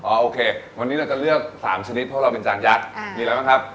โอเควันนี้เราจะเลือก๓ชนิดเพราะเราเป็นจานยักษ์มีอะไรบ้างครับ